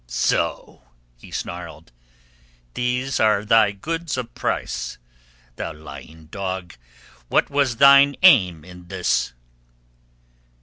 "So," he snarled. "These are thy goods of price. Thou lying dog, what was thine aim in this?"